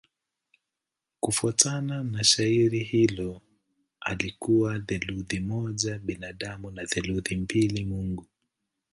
Kufuatana na shairi hilo alikuwa theluthi moja binadamu na theluthi mbili mungu.